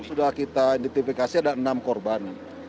sejauh ini sudah kita identifikasi ada enam korban